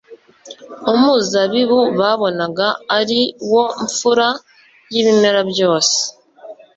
umuzabibu babonaga ari wo mfura y'ibimera byose,